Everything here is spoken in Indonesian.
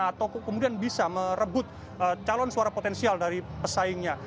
atau kemudian bisa merebut calon suara potensial dari pesaingnya